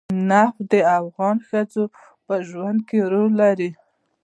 نفت د افغان ښځو په ژوند کې رول لري.